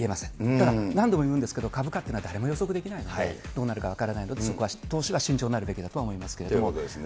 だから何度も言うんですけど、株価っていうのはだれも予測できないので、どうなるか分からないので、そこは、投資は慎重になるというわけですね。